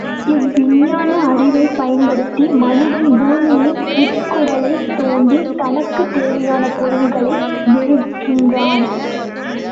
இவ்விஞ்ஞான அறிவைப் பயன்படுத்தி மனிதன் பூமியின் உட்குடலைத் தோண்டித் தனக்குத் தேவையான பொருள்களைப் பெறுகிறான்.